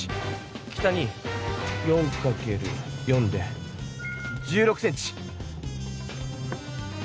北に４かける４で１６ｃｍ。